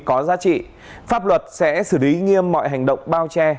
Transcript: có giá trị pháp luật sẽ xử lý nghiêm mọi hành động bao che